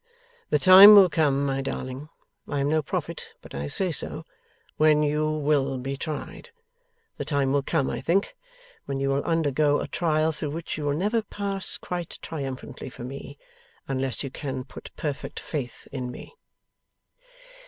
'The time will come, my darling I am no prophet, but I say so, when you WILL be tried. The time will come, I think, when you will undergo a trial through which you will never pass quite triumphantly for me, unless you can put perfect faith in me.